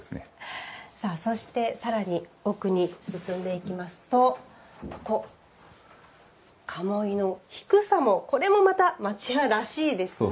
そして、さらに奥に進んでいきますとここ、鴨居の低さもこれもまた町家らしいですね。